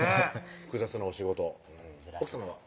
複雑なお仕事奥さまは？